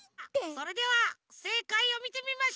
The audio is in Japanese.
それではせいかいをみてみましょう。